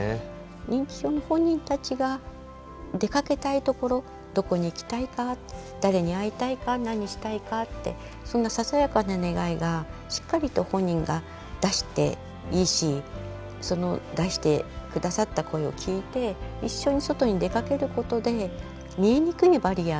認知症の本人たちが出かけたいところどこに行きたいか誰に会いたいか何したいかってそんなささやかな願いがしっかりと本人が出していいしその出して下さった声を聞いてそうですね